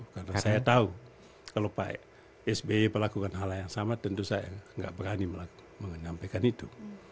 karena saya tahu kalau pak yesbi melakukan hal yang sama tentu saya tidak berani mengampekan itu